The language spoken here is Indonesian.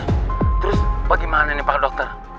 pak dokter terus bagaimana nih pak dokter